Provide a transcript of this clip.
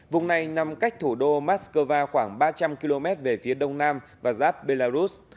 vùng này nằm cách thủ đô moscow khoảng ba trăm linh km về phía đông nam và giáp belarus